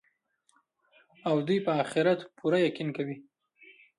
او دوى په آخرت پوره يقين كوي